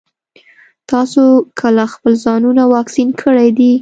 تاسو کله خپل ځانونه واکسين کړي دي؟